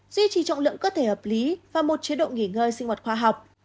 duy trì trọng lượng cơ thể hợp lý và một chế độ nghỉ ngơi sinh hoạt khoa học